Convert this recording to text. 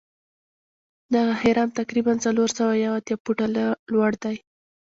دغه هرم تقریبآ څلور سوه یو اتیا فوټه لوړ دی.